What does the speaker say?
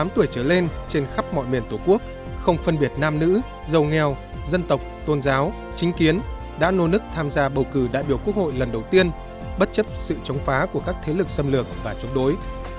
tám tuổi trở lên trên khắp mọi miền tổ quốc không phân biệt nam nữ giàu nghèo dân tộc tôn giáo chính kiến đã nô nức tham gia bầu cử đại biểu quốc hội lần đầu tiên bất chấp sự chống phá của các thế lực xâm lược và chống đối